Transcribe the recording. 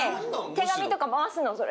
手紙とか回すのそれで。